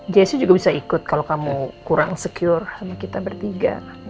jessi juga bisa ikut kalau kamu kurang secure sama kita bertiga